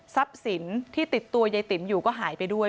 สินที่ติดตัวยายติ๋มอยู่ก็หายไปด้วย